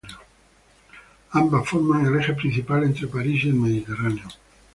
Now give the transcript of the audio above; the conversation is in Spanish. Ambas forman el eje principal entre París y el Mediterráneo.